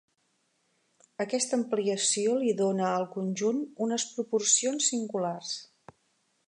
Aquesta ampliació li dóna al conjunt unes proporcions singulars.